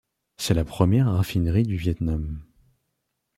C'est la première raffinerie du Viêt Nam.